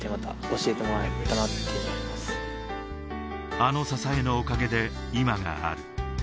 あの支えのおかげで今がある。